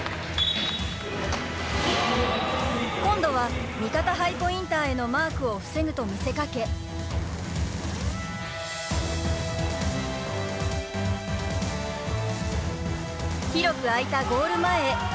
今度は、味方ハイポインターへのマークを防ぐと見せかけ広く空いたゴール前へ。